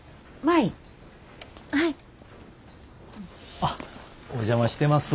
あっお邪魔してます。